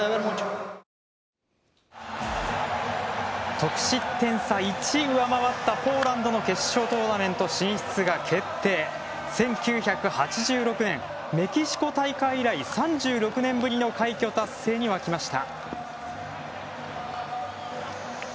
得失点差１、上回ったポーランドの決勝トーナメント進出が決まって１９８６年メキシコ大会以来、３６年ぶりの快挙達成に沸きました。